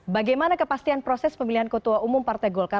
bagaimana kepastian proses pemilihan ketua umum partai golkar